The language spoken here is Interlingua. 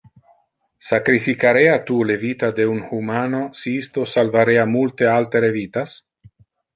Sacrificarea tu le vita de un humano si isto salvarea multe altere vitas?